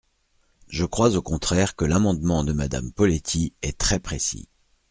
Je crois au contraire que l’amendement de Madame Poletti est très précis.